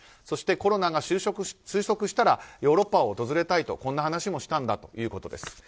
そしてコロナが収束したらヨーロッパを訪れたいという話もしたんだということです。